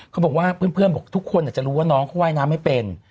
เขาบอกว่าเพื่อนบอกทุกคนจะรู้ว่าน้องเขาว่ายน้ำไม่เป็น